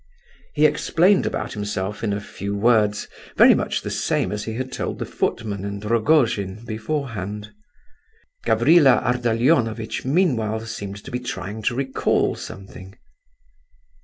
He explained about himself in a few words, very much the same as he had told the footman and Rogojin beforehand. Gavrila Ardalionovitch meanwhile seemed to be trying to recall something.